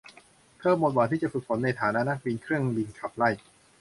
เธอหมดหวังที่จะฝึกฝนในฐานะนักบินเครื่องบินขับไล่